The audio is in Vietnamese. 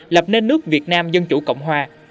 lập nên nước việt nam dân chủ cộng hòa